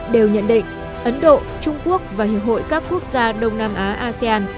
đều nhận định ấn độ trung quốc và hiệp hội các quốc gia đông nam á asean